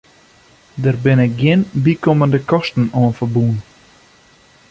Der binne gjin bykommende kosten oan ferbûn.